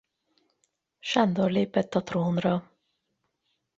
Sándor lépett a trónra.